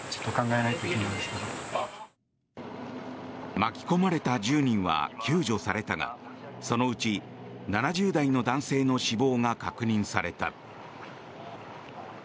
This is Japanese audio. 巻き込まれた１０人は救助されたがそのうち７０代の男性の死亡が確認された。